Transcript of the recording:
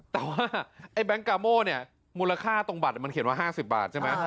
แต่ว่าไอ้แบงค์กาโม่เนี่ยมูลค่าตรงบัตรมันเขียนว่า๕๐บาทใช่ไหม